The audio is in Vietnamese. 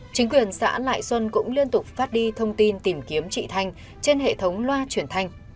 chính quyền xã lại xuân cũng liên tục phát đi thông tin tìm kiếm chị thanh trên hệ thống loa chuyển thanh